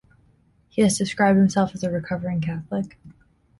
He has described himself as a recovering Catholic.